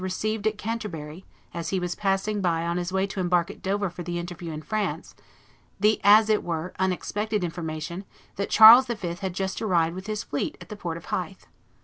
received at Canterbury, as he was passing by on his way to embark at Dover for the interview in France, the as it were unexpected information that Charles V. had just arrived with his fleet at the port of Hythe.